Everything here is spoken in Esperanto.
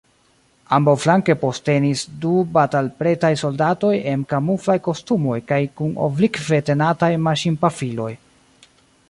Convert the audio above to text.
Ambaŭflanke postenis du batalpretaj soldatoj en kamuflaj kostumoj kaj kun oblikve tenataj maŝinpafiloj.